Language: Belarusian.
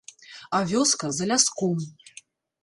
А вёска за ляском.